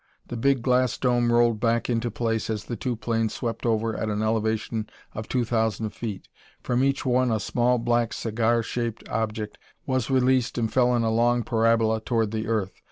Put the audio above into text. The big glass dome rolled back into place as the two planes swept over at an elevation of two thousand feet. From each one a small black cigar shaped object was released and fell in a long parabola toward the earth.